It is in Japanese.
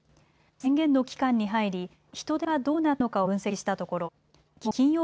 宣言の期間に入り人出がどうなったのかを分析したところきのう